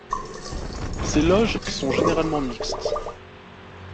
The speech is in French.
Ces loges sont généralement mixtes.